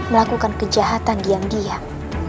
melakukan kejahatan diam diam